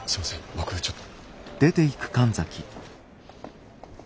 僕ちょっと。